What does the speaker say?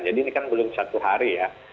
jadi ini kan belum satu hari ya